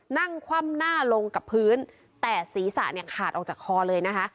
คว่ำหน้าลงกับพื้นแต่ศีรษะเนี่ยขาดออกจากคอเลยนะคะ